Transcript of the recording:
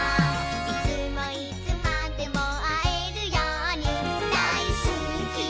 「いつもいつまでもあえるようにだいすきだからまたね」